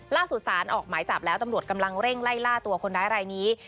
สารออกหมายจับแล้วตำรวจกำลังเร่งไล่ล่าตัวคนร้ายรายนี้